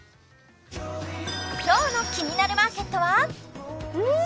今日の「キニナルマーケット」はうーん！